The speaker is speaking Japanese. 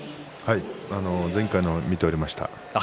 前回のは見ておりました。